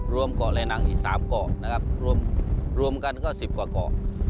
เกาะและนังอีก๓เกาะนะครับรวมกันก็๑๐กว่าเกาะ